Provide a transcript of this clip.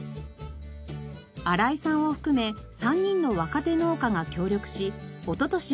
荒井さんを含め３人の若手農家が協力し一昨年